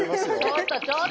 ちょっとちょっと。